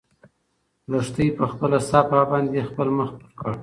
لښتې په خپله صافه باندې خپل مخ پټ کړ.